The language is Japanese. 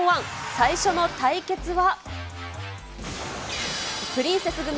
最初の対決は。